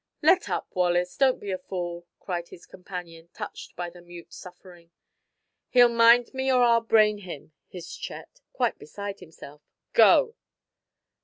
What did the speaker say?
"Let up, Wallace; don't be a fool," cried his companion, touched by the mute suffering. "He'll mind me or I'll brain him," hissed Chet, quite beside himself. "Go!"